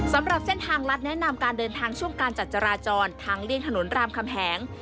สำหรับเส้นทางรัฐแนะนำการเดินทางช่วงการจัดจราจรทางเลี่ยงถนนรามคำแหง